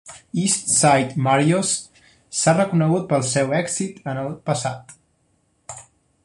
East Side Mario's s'ha reconegut pel seu èxit en el passat.